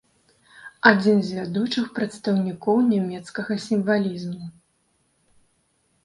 Адзін з вядучых прадстаўнікоў нямецкага сімвалізму.